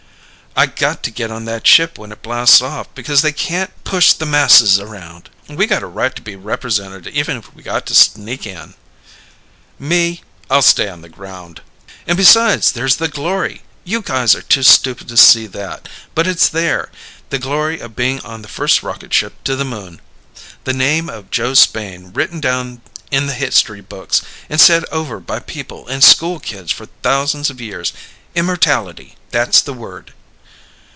"I got to get on that ship when it blasts off because they can't push the masses around! We got a right to be represented even if we got to sneak in!" "Me I'll stay on the ground." "And besides there's the glory! You guys are too stupid to see that but it's there. The glory of being on the first rocket ship to the Moon. The name of Joe Spain written down in the history books and said over by people and school kids for thousands of years! Immortality! That's the word!"